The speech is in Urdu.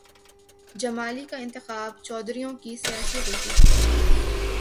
جمالی کا انتخاب چودھریوں کی سیاسی غلطی تھی۔